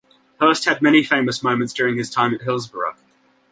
Hirst had many famous moments during his time at Hillsborough.